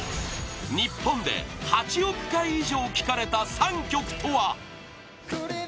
日本で８億回以上聴かれた３曲とは？